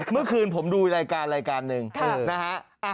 เมื่อคืนผมดูรายการหนึ่งนะครับ